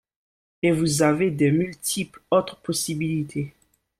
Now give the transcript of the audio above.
Et vous avez de multiples autres possibilités.